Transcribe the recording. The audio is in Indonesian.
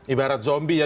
ibarat zombie ya